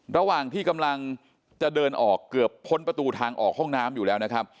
ระหว่างที่กำลังจะเดินออกเกือบพ้นประตูทางออกห้องน้ำอยู่แล้วนะครับ